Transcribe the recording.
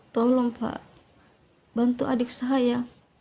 tolong pak bantu adik saya